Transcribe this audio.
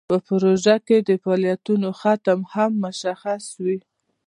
په پروژه کې د فعالیتونو ختم هم مشخص وي.